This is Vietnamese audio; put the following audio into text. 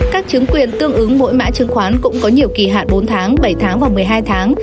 các chứng quyền tương ứng mỗi mã chứng khoán cũng có nhiều kỳ hạn bốn tháng bảy tháng và một mươi hai tháng